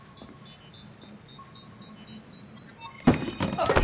あっ！